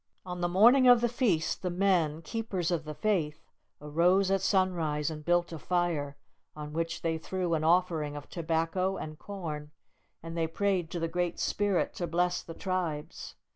On the morning of the feast, the men, "Keepers of the Faith," arose at sunrise, and built a fire, on which they threw an offering of tobacco and corn, and they prayed to the Great Spirit to bless the tribes.